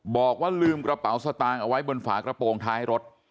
บอกว่าลืมกระเป๋าสตางค์เอาไว้บนฝากระโปรงท้ายรถ